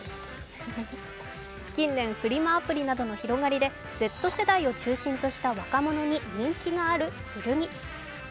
近年フリマアプリなどの広がりでＺ世代中心とした若者に人気がある古着。